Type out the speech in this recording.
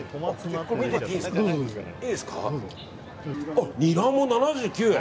あ、ニラも７９円？